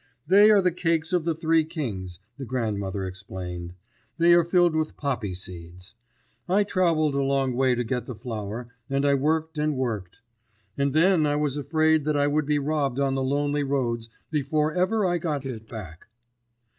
"They are the cakes of the Three Kings," the grandmother explained; "they are filled with poppy seeds. I travelled a long way to get the flour, and I worked and worked. And then I was afraid that I would be robbed on the lonely roads before ever I got it back."